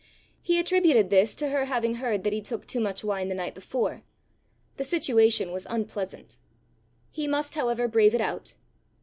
He attributed this to her having heard that he took too much wine the night before. The situation was unpleasant. He must, however, brave it out!